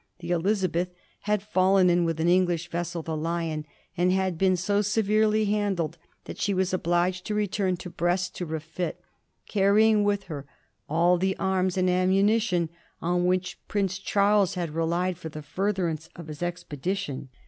The JSiiUMbeth had fallen in with an English vessel, the Zioriy and had been so severely handled that she was obliged to return to Brest to refit, carrying with her all the arms and ammunition on which Prince Charles had relied for the furtherance of his expedition.